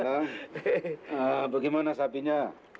nah bagaimana sapinya